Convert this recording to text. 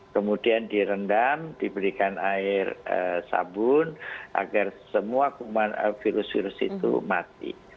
kemudian direndam diberikan air sabun agar semua virus virus itu mati